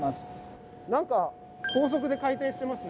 何か高速で回転してますね。